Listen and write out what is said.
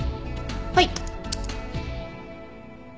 はい。